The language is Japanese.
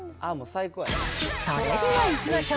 それではいきましょう。